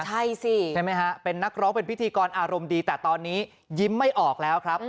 ใช่สิใช่ไหมฮะเป็นนักร้องเป็นพิธีกรอารมณ์ดีแต่ตอนนี้ยิ้มไม่ออกแล้วครับ